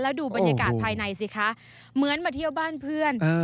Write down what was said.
แล้วดูบรรยากาศภายในสิคะเหมือนมาเที่ยวบ้านเพื่อน